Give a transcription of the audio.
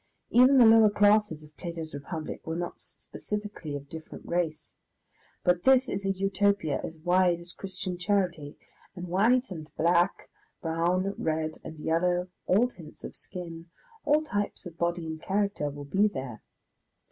Even the lower class of Plato's Republic was not specifically of different race. But this is a Utopia as wide as Christian charity, and white and black, brown, red and yellow, all tints of skin, all types of body and character, will be there.